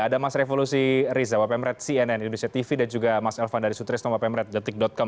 ada mas revolusi riza wp mered cnn indonesia tv dan juga mas elvan dari sutristom wp mered detik com